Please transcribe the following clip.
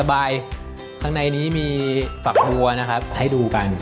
ข้างในนี้มีฝักบัวนะครับให้ดูกัน